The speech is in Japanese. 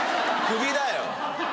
首だよ。